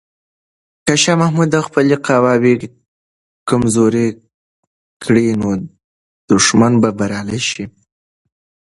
که شاه محمود خپلې قواوې کمزوري کړي، دښمن به بریالی شي.